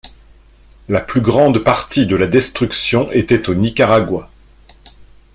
La plus grande partie de la destruction était au Nicaragua.